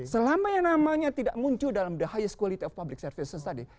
selama yang namanya tidak muncul dalam the high quality of public services tadi